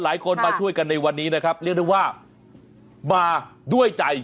หลายคนมาช่วยกันในวันนี้นะครับเรียกได้ว่ามาด้วยใจ